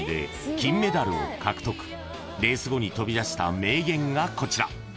［レース後に飛び出した名言がこちら］